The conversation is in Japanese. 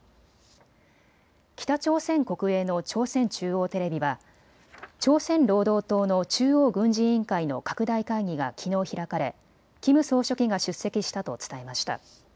北朝鮮国営の朝鮮中央テレビは朝鮮労働党の中央軍事委員会の拡大会議がきのう開かれキム総書記が出席したと伝えました。